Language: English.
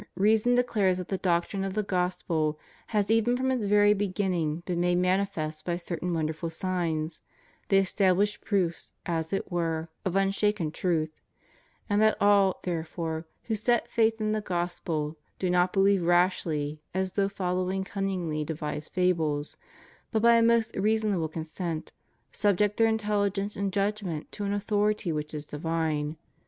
THE STUDY OF SCHOLASTIC PHILOSOPHY, 39 reason declares that the doctrine of the Gospel has even from its very beginning been made manifest by certain wonderful signs, the estabhshed proofs, as it were, of un shaken truth; and that all, therefore, who set faith in the Gospel do not believe rashly as though following cunningly devised fables,* but, by a most reasonable consent, subject their intelligence and judgment to an authority which is divine.